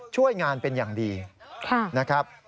ช่วยงานเป็นอย่างดีนะครับ